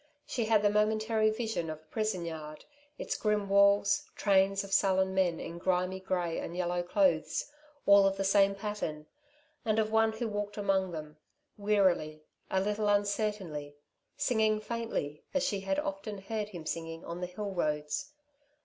She had the momentary vision of a prison yard, its grim walls, trains of sullen men in grimy grey and yellow clothes, all of the same pattern, and of one who walked among them, wearily, a little uncertainly, singing faintly, as she had often heard him singing on the hill roads.